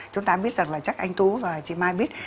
chúng ta biết rằng là chắc anh tú và chị mai bí